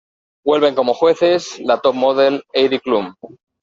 Vuelven como jueces, la top model Heidi Klum.